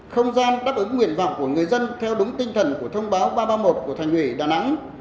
không gian đáp ứng nguyện vọng của người dân theo đúng tinh thần của thông báo ba trăm ba mươi một của thành ủy đà nẵng